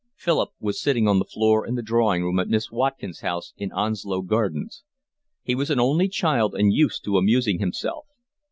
Philip was sitting on the floor in the drawing room at Miss Watkin's house in Onslow gardens. He was an only child and used to amusing himself.